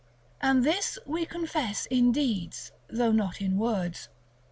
§ XXX. And this we confess in deeds, though not in words.